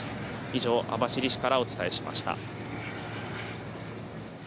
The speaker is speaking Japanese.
以上、網走市からお伝えしました。